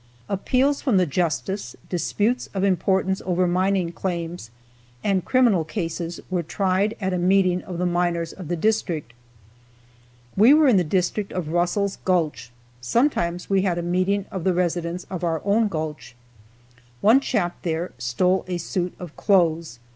Appeals from the justice, disputes of importance over mining claims, and criminal cases were tried at a meeting of the miners of the district. We were in the district of Russell's gulch. Sometimes we had a meeting of the residents of our own gulch. One chap there stole a suit of clothes.